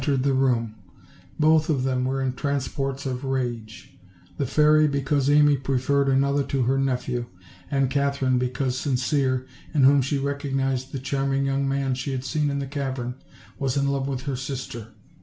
tered the room; both of them were in transports of rage; the fairy, because Amy preferred another to her nephew; and Katherine, because Sincere, in whom she recognized the charming young man she had seen in the cavern, was in love with her sister.